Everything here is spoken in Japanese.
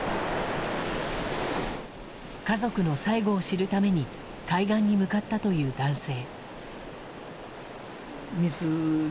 家族の最期を知るために海岸に向かったという男性。